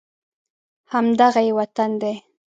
همدغه یې وطن دی